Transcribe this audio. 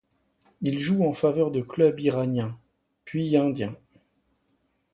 Il joue en faveur de clubs iraniens, puis indiens.